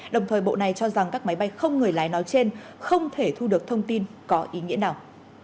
đồng thời bộ này cho rằng các máy bay không người lái nói trên không thể thu được thông tin có ý nghĩa nào